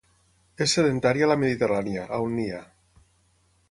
És sedentària a la Mediterrània, on nia.